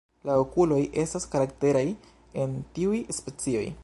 La okuloj estas karakteraj en tiuj specioj.